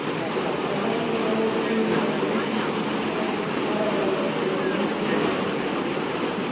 • هدف یې دا و، چې زدهکوونکي یې په غوره دولتي کارکوونکو بدل کړي.